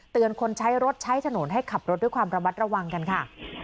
คนใช้รถใช้ถนนให้ขับรถด้วยความระมัดระวังกันค่ะ